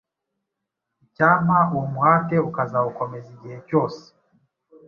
Icyampa uwo muhate ukazawukomeza igihe cyose.